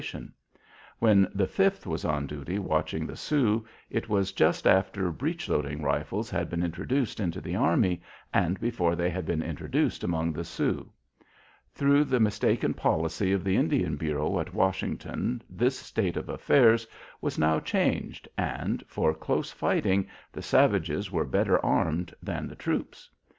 When the Fifth was on duty watching the Sioux, it was just after breech loading rifles had been introduced into the army, and before they had been introduced among the Sioux. Through the mistaken policy of the Indian Bureau at Washington this state of affairs was now changed and, for close fighting, the savages were better armed than the troops.